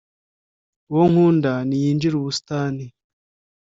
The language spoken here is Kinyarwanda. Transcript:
Uwo nkunda niyinjire ubusitani,